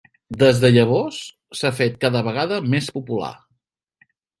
Des de llavors, s'ha fet cada vegada més popular.